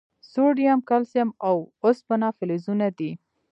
سوډیم، کلسیم، او اوسپنه فلزونه دي.